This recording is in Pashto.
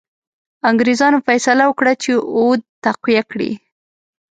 انګرېزانو فیصله وکړه چې اود تقویه کړي.